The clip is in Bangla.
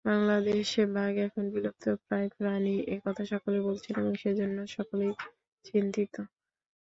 বাংলাদেশে বাঘ এখন বিলুপ্তপ্রায় প্রাণী—এ কথা সকলেই বলছেন এবং সেজন্য সকলেই চিন্তিত।